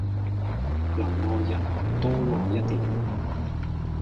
能愛人，多愛一點。